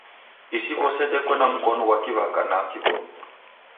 Isi w'ose deko na mkonu ghwa kiw'aka na kiw'omi.